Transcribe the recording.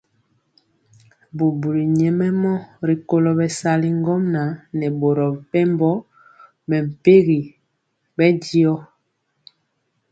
Bubuli nyɛmemɔ rikolo bɛsali ŋgomnaŋ nɛ boro mepempɔ mɛmpegi bɛndiɔ.